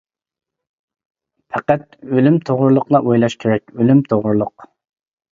پەقەت ئۆلۈم توغرۇلۇقلا ئويلاش كېرەك، ئۆلۈم توغرۇلۇق.